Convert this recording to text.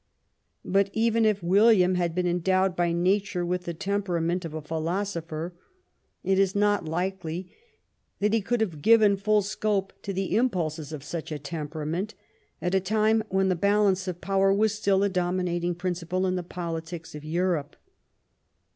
But even if William had been endowed by nature with the temperament of. a philosopher, it is not likely that he could have given full scope to the impulses of such a temperament at a time when the balance of power was still a dominating principle in the polities of Europe.